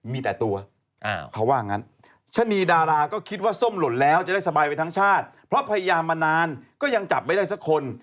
ไม่ได้สบายไว้ทั้งชาติเพราะพยายามมานานก็ยังจับไม่ได้สักคน